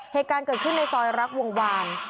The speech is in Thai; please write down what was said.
เหตุการณ์เกิดขึ้นในซอยรักวงวาน